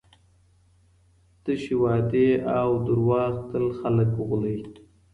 تشې وعدې او دروغ تل خلګ غولوي.